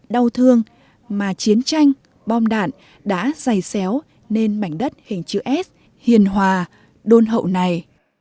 đau thương mà chiến tranh bom đạn đã dày xéo nên mảnh đất hình chữ s hiền hòa đôn hậu này